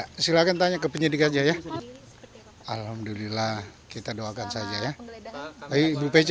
kisah kisah yang terjadi di indonesia